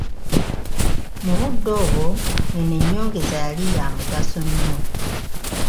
Mu budde obwo eno ennyongeza yali ya mugaso nnyo.